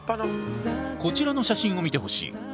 こちらの写真を見てほしい。